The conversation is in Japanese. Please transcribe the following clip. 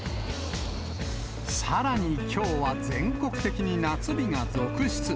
さらにきょうは全国的に夏日が続出。